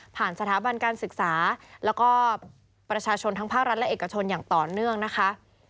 สถาบันการศึกษาแล้วก็ประชาชนทั้งภาครัฐและเอกชนอย่างต่อเนื่องนะคะ